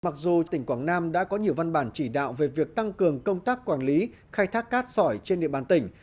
mặc dù tỉnh quảng nam đã có nhiều văn bản chỉ đạo về việc tăng cường công tác quản lý khai thác cát sỏi trên địa bàn tỉnh